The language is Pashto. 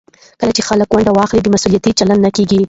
کله چې خلک ونډه واخلي، بې مسوولیته چلند نه کېږي.